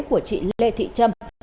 của chị lê thị trâm